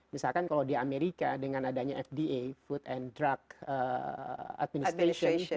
misalkan kalau di amerika dengan adanya fda food and drug administration